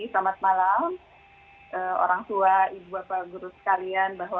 selamat malam orang tua ibu pak guru sekalian